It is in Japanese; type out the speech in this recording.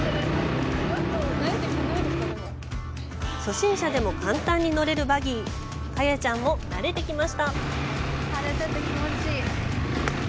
初心者でも簡単に乗れるバギーカヤちゃんも、なれてきました！